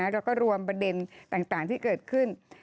แล้วก็รวมประเด็นต่างที่เกิดขึ้น